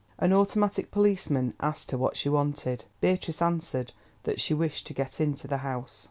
An automatic policeman asked her what she wanted. Beatrice answered that she wished to get into the House.